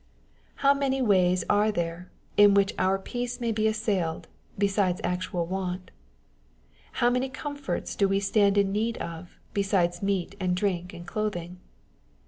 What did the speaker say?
How many ways are there, in which our peace may be assailed, besides actual want! How many comforts do we stand in need of, besides meat and drink and clothing